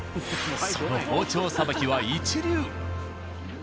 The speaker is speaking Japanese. その包丁さばきは一流。